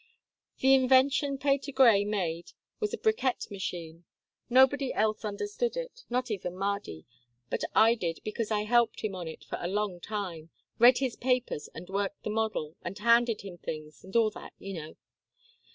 The invention Patergrey made was a bricquette machine. Nobody else understood it not even Mardy but I did, because I helped him on it for a long time read his papers and worked the model, and handed him things, and all that, you know.